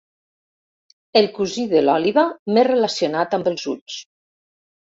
El cosí de l'òliba més relacionat amb els ulls.